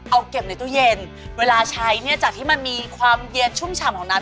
เอาเก็บในตู้เย็นเวลาใช้เนี่ยจากที่มันมีความเย็นชุ่มฉ่ำของน้ำ